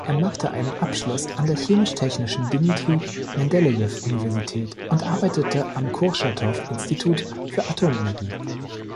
Er machte einen Abschluss an der Chemisch-Technischen Dmitri-Mendelejew-Universität und arbeitete am Kurtschatow-Institut für Atomenergie.